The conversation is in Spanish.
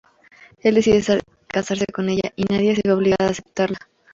Él decide casarse con ella, y Nadia se ve obligada a aceptarla.